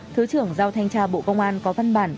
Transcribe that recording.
thứ trưởng giao thanh tra bộ công an có văn bản